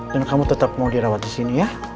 dan kamu tetep mau dirawat disini ya